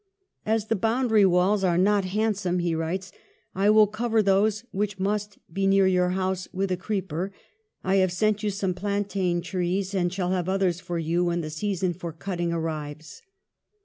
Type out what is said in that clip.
" As the [boundary] walls are not handsome," he writes, " I will cover those which must be near your house with a creeper. ... I have sent you some plantain trees and shall have others for you when the season for cutting arrives."